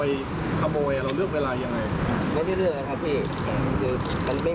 ไม่ได้เลือกเลยครับ